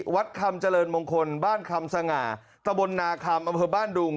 วัดคำเจริญมงคลบ้านคำสง่าตะบนนาคำอำเภอบ้านดุง